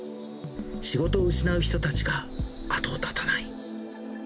仕事を失う人たちが後を絶たない。